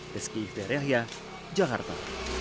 reski iftariahya jakarta